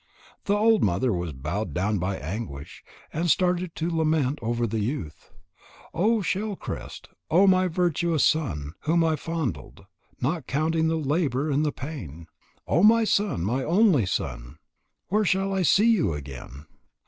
The old mother was bowed down by anguish, and started to lament over the youth. "Oh, Shell crest! Oh, my virtuous son, whom I fondled, not counting the labour and the pain! Oh, my son, my only son! Where shall I see you again?